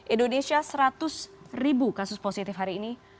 indonesia seratus ribu kasus positif hari ini